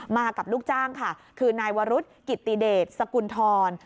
มากับลูกจ้างค่ะคือนายวรุษกิติเดชสกุลธร